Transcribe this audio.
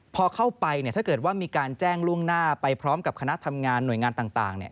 พอเข้าไปถ้าเกิดว่ามีการแจ้งล่วงหน้าไปพร้อมกับคณะทำงานหน่วยงานต่าง